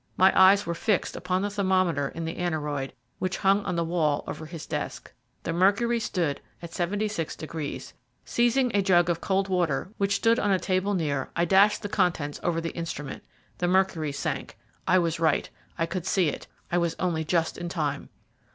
My eyes were fixed upon the thermometer in the aneroid, which hung on the wall over his desk. The mercury stood at seventy six degrees. Seizing a jug of cold water, which stood on a table near, I dashed the contents over the instrument. The mercury sank. I was right. I could see it. I was only just in time.